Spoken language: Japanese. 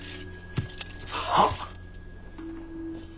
はっ。